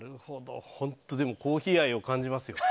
本当、コーヒー愛を感じますよ。